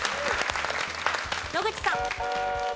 野口さん。